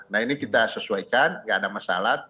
nah ini kita sesuaikan nggak ada masalah